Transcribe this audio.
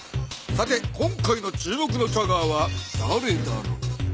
さて今回の注目のチャガーはだれだろう？